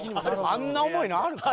あんな重いのあるか？